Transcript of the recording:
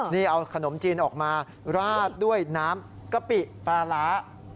นี่เอาขนมจีนออกมาราดด้วยน้ำกะปิปลาร้า